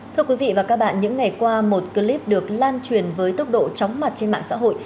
thưa quý vị và các bạn những ngày qua một clip được lan truyền với tốc độ chóng mặt trên mạng xã hội